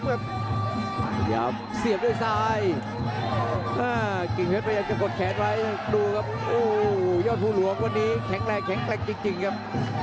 เยอะพี่รวมเสียด้วยซ้ายเกลียดเฮ็ดพยายามจะกดแขนไว้ดูครับโอ้โหเยอะพี่รวมวันนี้แข็งแรกจริงครับ